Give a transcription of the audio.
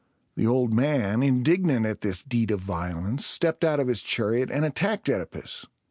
The old man, indignant at this deed of violence, stepped out of his chariot and attacked OEdipus.